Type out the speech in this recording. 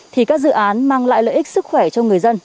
thì các dự án mang lại lợi ích sức khỏe cho người dân